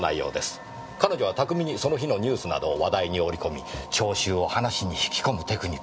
彼女は巧みにその日のニュースなどを話題に織り込み聴衆を話に引き込むテクニックを持っています。